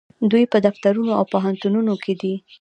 دوی په دفترونو او پوهنتونونو کې دي.